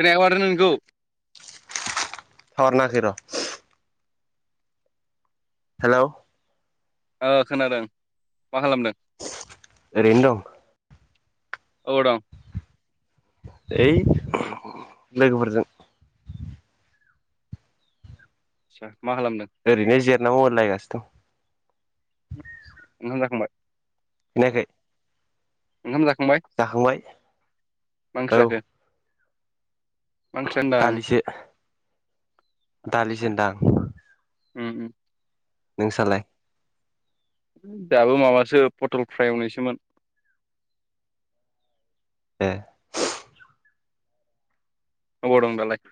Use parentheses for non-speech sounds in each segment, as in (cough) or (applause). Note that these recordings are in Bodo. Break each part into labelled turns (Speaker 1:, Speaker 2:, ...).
Speaker 1: होनायाव आरो नोंगौ।
Speaker 2: टावार नाङाखै र' हेलौ
Speaker 1: ओ खोनादों मा खालामदों?
Speaker 2: ओरैनो दं।
Speaker 1: अबाव दं?
Speaker 2: ओइ (unintelligible) लोगोफोरजों।
Speaker 1: मा खालामदों?
Speaker 2: ओरैनो जेरायना मबेइल नायगासिनो दं।
Speaker 1: ओंखाम जाखांबाय?
Speaker 2: खोनायाखै?
Speaker 1: ओंखाम जाखांबाय।
Speaker 2: जाखांबाय।
Speaker 1: मा ओंख्रि
Speaker 2: औ
Speaker 1: जाखो मा ओंख्रि होनदा?
Speaker 2: दालिसो दालिसो
Speaker 1: आटसा
Speaker 2: होनदां
Speaker 1: उम
Speaker 2: नोंसालाय?
Speaker 1: जाहाबो माबासो पटल फ्राय एवनायसोमोन।
Speaker 2: ए
Speaker 1: अबाव दं दालाइ?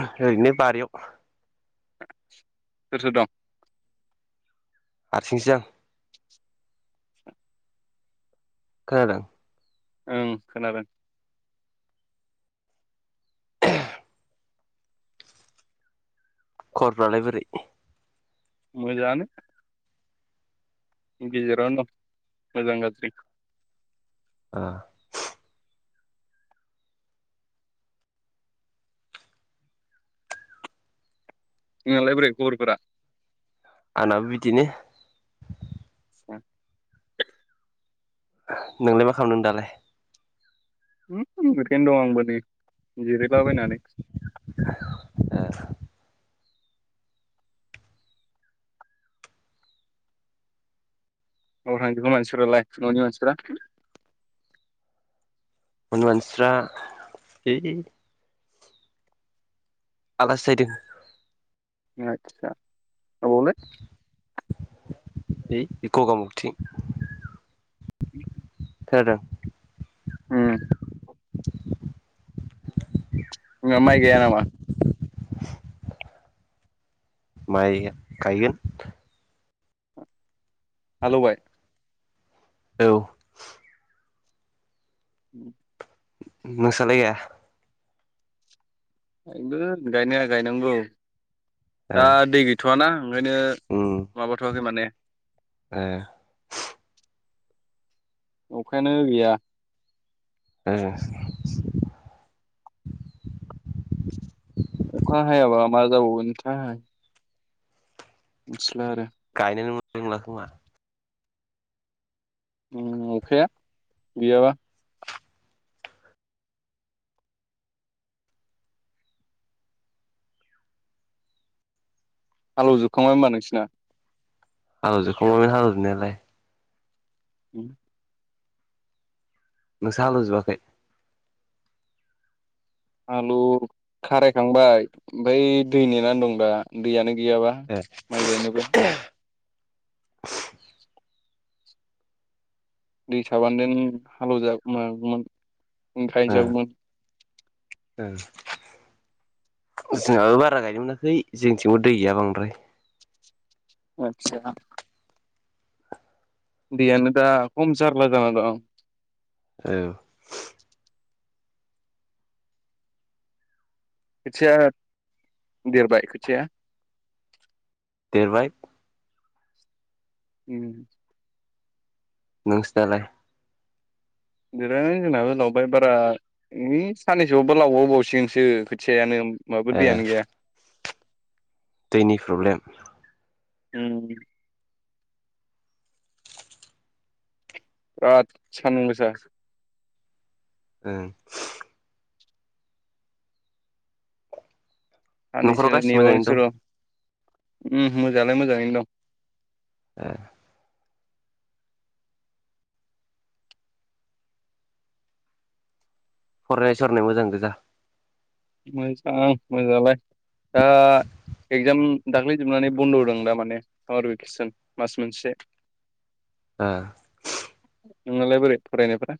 Speaker 2: ओरैनो बारियाव
Speaker 1: सोर सोर दं
Speaker 2: हारसिंसो आं खोनादों?
Speaker 1: ओं खोनादों
Speaker 2: (unintelligible) खबरफ्रालाय बोरै?
Speaker 1: मोजांआनो गेजेरावनो दं। मोजां गाज्रि
Speaker 2: अ
Speaker 1: नोंहालाय बोरै खबरफोरा
Speaker 2: आंनाबो बिदिनो
Speaker 1: ओ
Speaker 2: नोंलाय मा खालामदों दालाय?
Speaker 1: उम दं आंबो नै जिरायलाबायनानै
Speaker 2: (unintelligible)
Speaker 1: अबाव थांदों मानसिफोरा लाइ न'नि मानसिफोरा?
Speaker 2: न'नि मानसिफ्रा ओइ आलासि जाहैदों
Speaker 1: आदसा अबावलै
Speaker 2: ओइ गगामुग थिं
Speaker 1: (inaudible)
Speaker 2: खोनादों?
Speaker 1: उम नोंहा माइ गाया नामा?
Speaker 2: माइ गायो
Speaker 1: हालौबाय?
Speaker 2: औ
Speaker 1: उम
Speaker 2: नोंसालाय गाया?
Speaker 1: गायगोन गायनाया गायनांगौ
Speaker 2: ए
Speaker 1: दा दै गैथ'वाना ओंखायनो माबाथ'वाखै माने
Speaker 2: ओ
Speaker 1: अखायानो गैया
Speaker 2: ओ
Speaker 1: अखा हायाबा मा जाबावगोनथाय मिथिला आरो
Speaker 2: गायनोनो मोननाय नंला खोमा
Speaker 1: उम अखाया गैयाबा हालौ जोबखांबाय होनबा नोंसिना
Speaker 2: हालौ जोबखांबायमोन हालौ जोबनायालाय
Speaker 1: (inaudible)
Speaker 2: नोंसा हालौ जोबाखै?
Speaker 1: हालौ खारायखांबाय आमफ्राय दै नेनानै दं दा दैयानो गैयाबा
Speaker 2: ओ
Speaker 1: माय गायनोबो दै थाबानदोन हालौ जागौमोन गायजागौमोन।
Speaker 2: ओ जोंहाबो बारा गायनो मोनाखै जोंनिथिंबो दै गैया बांद्राय।
Speaker 1: आतसा दैयानो दा खम जारला जाना दं।
Speaker 2: औ
Speaker 1: खोथिया देरबाय खोथिया।
Speaker 2: देरबाय।
Speaker 1: उम।
Speaker 2: नोंसिनालाय?
Speaker 1: दिनो जोंनाबो लावबाय बारा ओइ साननैसोबावबा लावबावबावसिगोनसो खोथियानो ओमबाबो
Speaker 2: ओ
Speaker 1: दैयानो गैया।
Speaker 2: दैनि प्रब्लेम।
Speaker 1: ओम। बिराथ सानदुंगोसा।
Speaker 2: ओं। न'खराव
Speaker 1: साननैसो
Speaker 2: गासिबो मोजाङैनो दं
Speaker 1: नेबावसै र' उम मोजाङालाय मोजाङैनो दं।
Speaker 2: आ। फरायनाय सरानाय मोजां गोजा।
Speaker 1: मोजां मोजांङालाय दा एगजाम दाख्लै जोबनानै बन्द' होदों दा माने सामार भेकेसन मास मोनसे।
Speaker 2: आ।
Speaker 1: नोंनालाय बोरै फरायनायफोरा?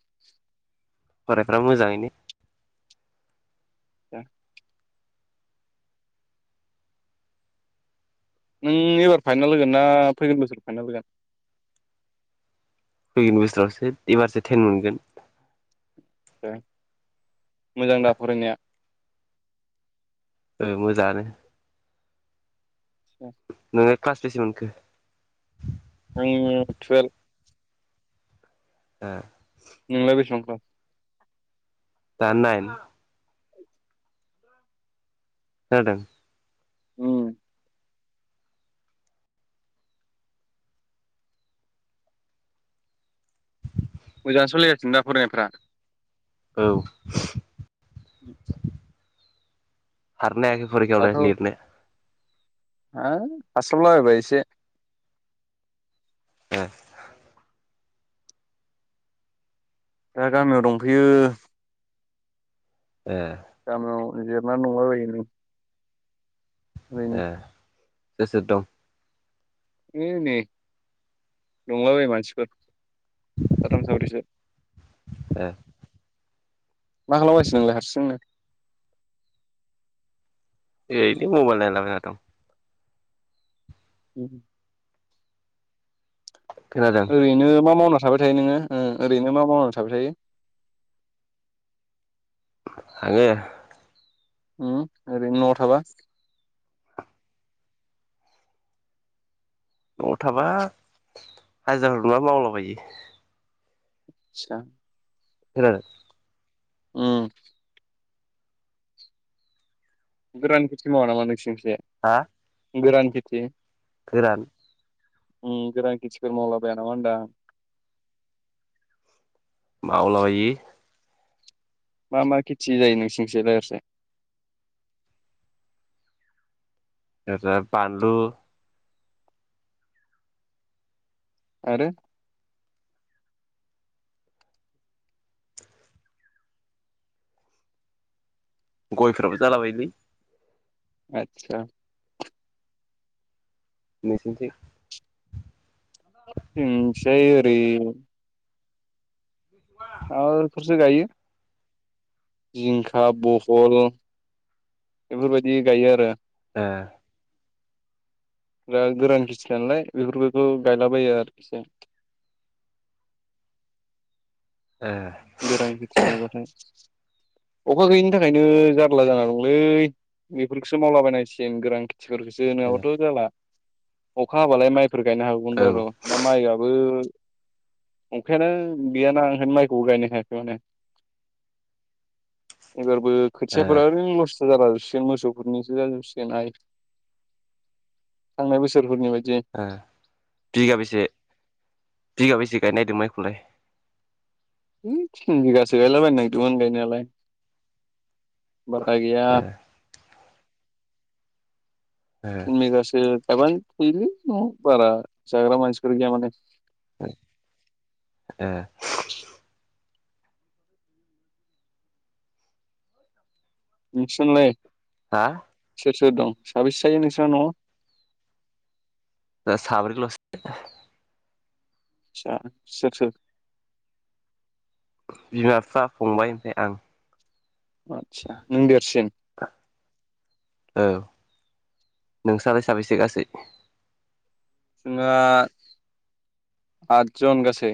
Speaker 2: फरायफ्रा मोजाङैनो।
Speaker 1: (inaudible) नों एबार फाइनाल होगोन ना फैगोन बोसोर फाइनाल होगोन।
Speaker 2: फैगोन बोसोरावसो एबारसो टेन मोनगोन।
Speaker 1: ए मोजां दा फरायनाया।
Speaker 2: ओ मोजाङानो।
Speaker 1: आदसा।
Speaker 2: नों क्लास बेसे मोनखो?
Speaker 1: आंङो टुवेल्फ।
Speaker 2: ए।
Speaker 1: नोंलाय बेसेबां क्लास?
Speaker 2: दा नाइन। खोनादों।
Speaker 1: उम। मोजां सलिगासिनो दा फरायनायफ्रा?
Speaker 2: औ। हारनो हायाखि फरिखायावलाय
Speaker 1: दाथ'
Speaker 2: लिरनो।
Speaker 1: हा हास्लाबला बायबाय एसे।
Speaker 2: ए।
Speaker 1: दा गामियाव दंफैयो।
Speaker 2: ए।
Speaker 1: गामियाव जिरनानै दंलाबायो ओरैनो।
Speaker 2: ए सोर सोर दं?
Speaker 1: हो नै दंला बायो मानसिफोर साथाम साब्रैसो।
Speaker 2: ए।
Speaker 1: मा खालामगासिनो नोंलाय हारसिंनो?
Speaker 2: ओरैदि मबाइल नायलाबायना दं।
Speaker 1: उम।
Speaker 2: खोनादों
Speaker 1: ओरैनो मा मावना थाबाय थायो नोंङो? ओ ओरैनो मा मावना थाबाय थायो?
Speaker 2: आङो।
Speaker 1: ओ ओरैनो न'आव थाबा
Speaker 2: न'आव थाबा हाजिर मावलाबायो
Speaker 1: आदसा
Speaker 2: खोनादों?
Speaker 1: उम गोरान खेथि मावा नामा नोंसोरनिथिं जाय
Speaker 2: हा
Speaker 1: गोरान खिथि
Speaker 2: गोरान
Speaker 1: उम गोरानखिथिफोर मावला बाया नाम होनदां
Speaker 2: मावलाबायो
Speaker 1: मा मा खेथि जायो नोंसिनि थिलाय ओरैजाय?
Speaker 2: ओरो बानलु
Speaker 1: आरो
Speaker 2: गयफ्राबो जालाबायलै
Speaker 1: आतसा
Speaker 2: नोंसिनि थिं
Speaker 1: उम फ्राय ओरै
Speaker 2: (inaudible)
Speaker 1: आर फोरसो गायो (unintelligible) जिंखा बहल बेफोरबायदि गायो आरो।
Speaker 2: ओ
Speaker 1: रा गोरान खिथि नालाय बेफोरखौ गायलाबायो आरोखि जों
Speaker 2: ए
Speaker 1: गोराय खिथि मावबाथाय अखा गैयिनि थाखायनो जारला जाना दंलै बेफोरखौसो मावलाबायनांसिम गोरान थिफोरखौसो नङाबाथ' जाला अखा हाबालाय माइफोर गायनो हागौमोन
Speaker 2: औ ओ
Speaker 1: बार' दा माइआाबबो अंखायानो गैयाना ओंखायनो माइ (inaudible) माने एबारबो खोथियाफोरा ओरैनो लस। जालाजोबसिगोन मोसौफोरनिसो जाजोबसिगोन आइ थांनाय बोसोरफोरनि बायदि
Speaker 2: ए बिगा बैसे बिगा बै? से गायनो नायदों माइखौलाइ
Speaker 1: थिन बिगासो गायलाबायनो नागिरदोंमोन गायनायालाय बार गा गैया
Speaker 2: ओ
Speaker 1: (unintelligible)
Speaker 2: ओ
Speaker 1: थिन‌ बिगासो गायबानो थोयोलै नं'आव बारा जाग्रा मानसि गैया माने।
Speaker 2: ए
Speaker 1: नोंसिनालाय
Speaker 2: हा
Speaker 1: सोर सोर दं साबेैसे जायो नोंसोराव न'आव
Speaker 2: ओ साब्रै लसो
Speaker 1: आसा सोर सोर
Speaker 2: बिमा बिफा फंबाय ओफाय आं
Speaker 1: आदसा नों देरसिन
Speaker 2: औ नोंस्रालाय साबेसे गासै
Speaker 1: जोंहा आदजन गासै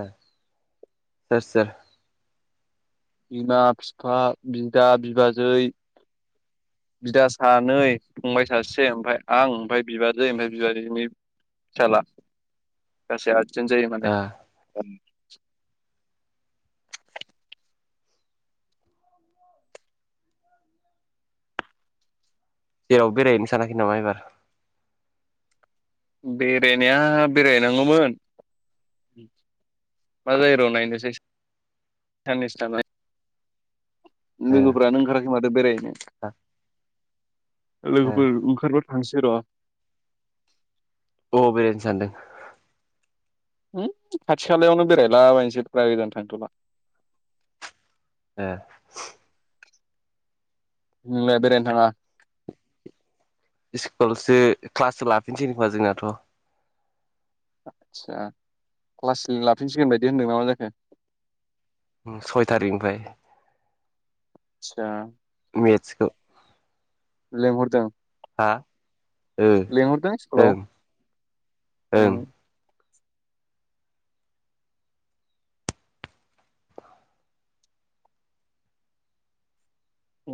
Speaker 2: ए सोर सोर
Speaker 1: बिमा बिफा बिदा बिबाजै बिदा सानै फंबाय सासे ओमफफ्राय आं ओमफफ्राय बिबाजै ओमफ्राय बिबाजैनि फिसाला गासै आरजन्ट जायो माने।
Speaker 2: जेरावबो बेरायहैनो सानाखै नामा एबार।
Speaker 1: बेरायनाया बेरायनांगौमोन। मा जायो र' नायनोसै साननैसो थांनानै।
Speaker 2: ओ
Speaker 1: लोगोफोरानो ओंखाराखै माथो बेरायनो
Speaker 2: ओ
Speaker 1: लोगोफोर ओंखारबानो। थांनोसै र।
Speaker 2: बबाव बेरायनो सानदों।
Speaker 1: हो खाथि खालायावनो बेरायलाबायनोसै बारा गोजान थांथ'ला।
Speaker 2: ए
Speaker 1: नोंलाय बेरायनो थाङा।
Speaker 2: स्कुलावसो क्लासो लाफिनसै नखोमा जोंनाथ'।
Speaker 1: आदसा क्लास लाफिनसिगोन बायदि होनदों ना मा जाखो।
Speaker 2: सय थारिकनिफ्राय।
Speaker 1: आतसा।
Speaker 2: मेसखौ।
Speaker 1: लेंहरदों।
Speaker 2: हा ओ
Speaker 1: लिंहरदों स्कुलाव
Speaker 2: ओं
Speaker 1: ओ।
Speaker 2: ओं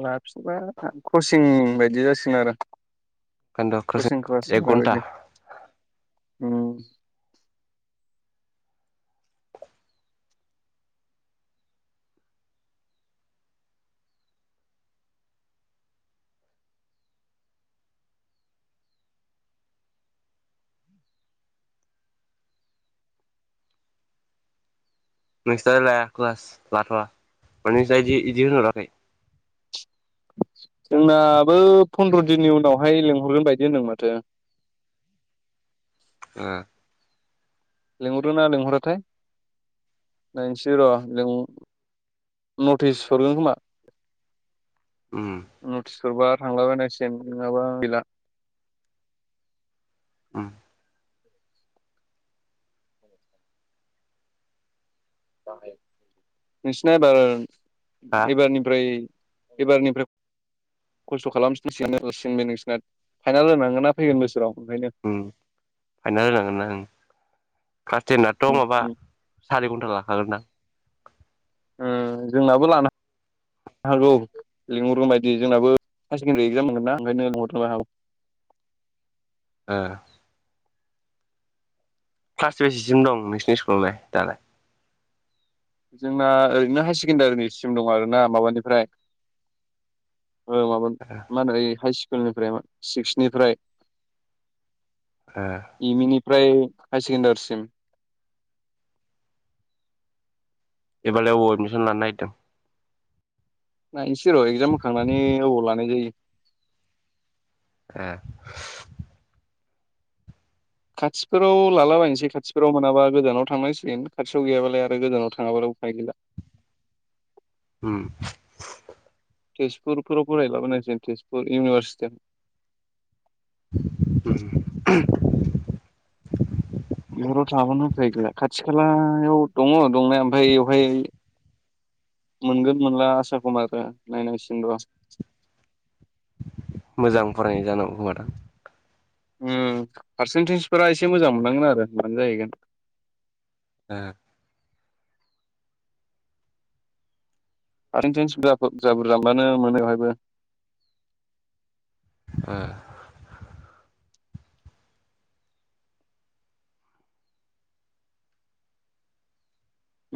Speaker 1: लाफिबा कचिं बायदि जासिगोन आरो।
Speaker 2: खोन्द' क्रसिं
Speaker 1: कचिं क्लास मा
Speaker 2: एक घन्टा
Speaker 1: बायदि ओ
Speaker 2: नोंस्रा लाया क्लास लाथ'आ ना इदि होनहरा खै।
Speaker 1: जोंनाबो फन्द्र' दिननि उनावहाय लिंहरगोन बायदि होनदों माथो।
Speaker 2: ओ
Speaker 1: लिंहरो ना लिंहराथाय नायनोसै र' ल। नटिस हरगोन खोमा।
Speaker 2: उओ
Speaker 1: नटिस हरबा थांला बायनांसिगन नङाबा गैला।
Speaker 2: ओम
Speaker 1: नोंसिना एबार
Speaker 2: हा
Speaker 1: एबारनिफ्राय एबारनि फ्राय। खस्थ' खालामफिन सिगनो सिन नोंसिना फाइनाल होनांगोना फैगोन बोसोराव ओंखायनो।
Speaker 2: ओ फाइनाल होनांगोन ना आं। क्लास टेनाथ'
Speaker 1: उम
Speaker 2: माबा
Speaker 1: उम
Speaker 2: सारि घन्टा लाखागोन दां।
Speaker 1: ओ जोंनाबो लानो ह। हागौ लिंहरगोन बायदि जोंनाबो हायार सेकेनदारो एक्जाम मोनगोन नयनो लिहरनोबो हागौ।
Speaker 2: ओ क्लास बेजसिम दं नोंसिनि स्कुलावलाय दालाय।
Speaker 1: जोंना ओरैनो हायार सेकेण्डारिनि सिम दं आर ना माबानिफ्राय। औ माबा मा होनो हाइ स्कुलनिफ्राय सिक्स निफ्राय।
Speaker 2: ए
Speaker 1: इमो इनिफ्राय हायार सेकेणडारिसिम।
Speaker 2: एबार लाय अबाव एडमिसन लानो नागिरदों।
Speaker 1: नायनो सै र एगजाम होखांनानै अबाव लानाय जायो।
Speaker 2: ए
Speaker 1: खाथियाव फोराव लालाबायसै खाथि फोराव मोनाबा गोजानाव थांनांसिगोन खाथियाव गैयाबालाय आरो गोजानाव। थांङा बालाय उफाय गैला।
Speaker 2: उम
Speaker 1: तेजपुरफोराव फरायलाबोन आरो जों थ तेजपुर इउनिभारसिटि।
Speaker 2: (inaudible)
Speaker 1: बेहाव थांआबानो उफाय गैला खाथि खालायाव दङ दंनाय ओमफ्राय बेवहाय। मोनगोन मोनला आसा खम आरो नायनांसिनो रं
Speaker 2: मोजां फरायनाय जानांगौ (inaudible)
Speaker 1: उम पारसेन्टेजफोरा एसे मोजां मोननांगोन आरो मानो जाहैगोन
Speaker 2: ए
Speaker 1: फार्सेन्टन्स सुबिदा बुरजा बुरजा मोनबानो मोनोबाहायबो
Speaker 2: ओ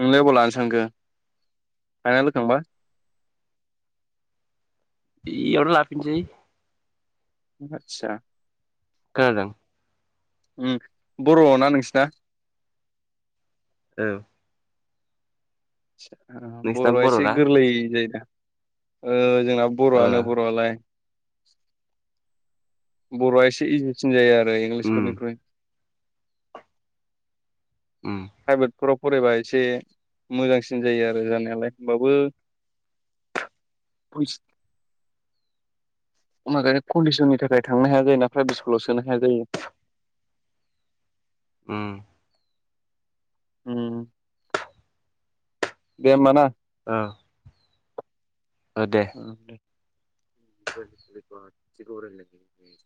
Speaker 1: नों लाइ आबाद लानो सानखो फाइनाल होखांबा।
Speaker 2: बेयावनो लाफिनसै
Speaker 1: आतसा
Speaker 2: खोनादों
Speaker 1: बरना नोंसोरना
Speaker 2: औ नोंसिना
Speaker 1: बरआ एसे
Speaker 2: बर'ना
Speaker 1: गोरलै जायो दा जोंना
Speaker 2: ओ
Speaker 1: बरआनो बरआलाय इसे सिन जायो आरो
Speaker 2: उम
Speaker 1: इंलिसफोरख्रुइ
Speaker 2: उम
Speaker 1: प्राइभेटफोराव फरायबा एसे मोजांसिन जायो आरो जानायालाय होमबाबबो फुस कन्डिसननि थाखाय थांनो हाया जायो ना प्राइभेट स्कुलाव सोनो हाया जायो।
Speaker 2: उम
Speaker 1: उम दे होमबा ना।
Speaker 2: ओ ओ दे
Speaker 1: (unintelligible)